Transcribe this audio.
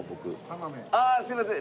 ああすいません。